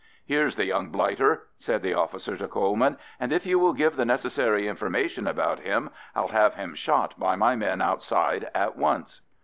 "Here's the young blighter," said the officer to Coleman, "and if you will give the necessary information about him, I'll have him shot by my men outside at once."